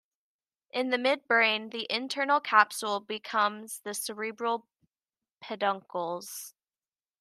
In the midbrain, the internal capsule becomes the cerebral peduncles.